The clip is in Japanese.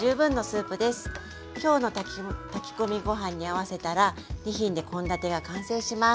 きょうの炊き込みご飯に合わせたら２品で献立が完成します。